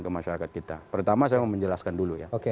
ke masyarakat kita pertama saya mau menjelaskan dulu ya